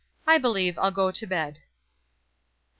I believe I'll go to bed."